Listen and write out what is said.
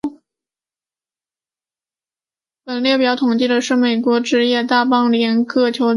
本列表统计的是美国职棒大联盟的各球队的队史纪录。